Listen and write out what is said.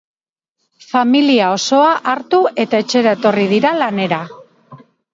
Familia osoa hartu eta etxera etorri dira lanera.